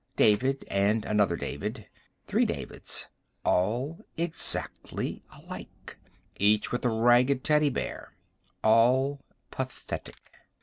David and another David. Three Davids. All exactly alike. Each with a ragged teddy bear. All pathetic.